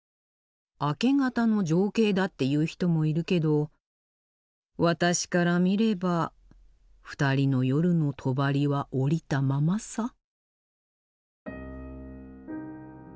明け方の情景だって言う人もいるけど私から見れば２人の夜のとばりは下りたままさ。